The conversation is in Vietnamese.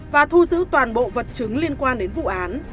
và thu giữ toàn bộ vật chứng liên quan đến vụ án